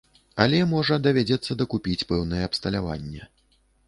Але, можа, давядзецца дакупіць пэўнае абсталяванне.